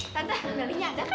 tante meli nya ada kan